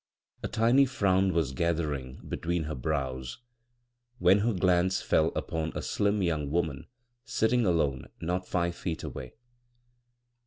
A tiny frown was gathering between her brows when her glance fell upon a slim young woman sitting alone not five feet away.